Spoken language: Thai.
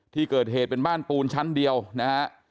ที่เกิดเหตุเป็นบ้านปูนชั้นเดียวนะฮะ